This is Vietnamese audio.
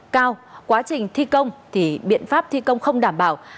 cao quá trình thi công thì biện pháp thi công không đảm bảo